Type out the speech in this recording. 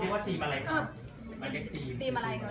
ว่าเทียมอะไรครับ